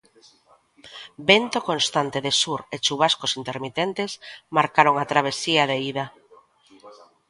Vento constante de sur e chuvascos intermitentes marcaron a travesía de ida.